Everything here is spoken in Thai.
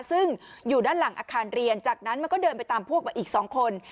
ซึ่งอยู่ด้านหลังอาคารเรียนจากนั้นมันก็เดินไปตามพวกมาอีก๒คน